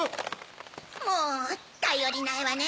もうたよりないわね！